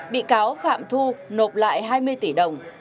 bị cáo phạm thu nộp lại hai mươi tỷ đồng